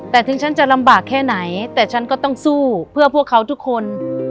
แต่ถึงฉันจะลำบากแค่ไหนแต่ฉันก็ต้องสู้เพื่อพวกเขาทุกคน